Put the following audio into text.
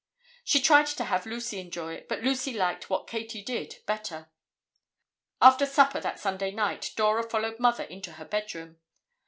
She tried to have Lucy enjoy it, but Lucy liked "What Katy Did" better. After supper that Sunday night, Dora followed Mother into her bedroom.